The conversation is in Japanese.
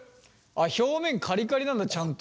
表面カリカリなんだちゃんと。